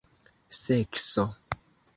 sekso